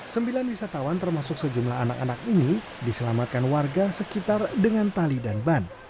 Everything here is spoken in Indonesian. sembilan wisatawan termasuk sejumlah anak anak ini diselamatkan warga sekitar dengan tali dan ban